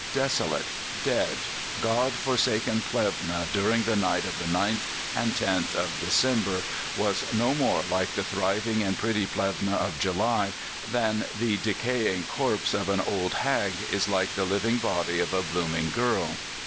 Desolate, dead, God forsaken Plevna during the night of the 9th and 10th of December was no more like the thriving and pretty Plevna of July than the decaying corpse of an old hag is like the living body of a blooming girl.